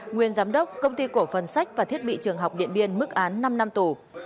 nguyên giám đốc công ty cổ phần sách và thiết bị trường học điện biên mức án năm năm tù